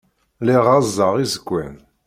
Lliɣ ɣɣazeɣ iẓekwan.